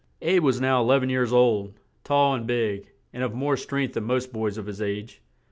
"Abe" was now e lev en years old, tall and big, and of more strength than most boys of his age.